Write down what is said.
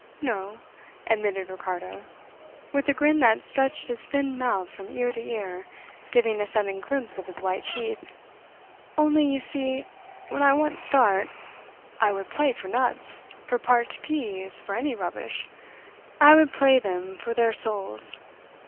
"No," admitted Ricardo, with a grin that stretched his thin mouth from ear to ear, giving a sudden glimpse of his white teeth. "Only, you see, when I once start, I would play for nuts, for parched peas, for any rubbish. I would play them for their souls.